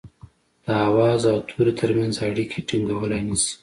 د آواز او توري ترمنځ اړيکي ټيڼګولای نه شي